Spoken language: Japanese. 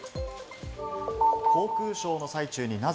航空ショーの最中になぜ？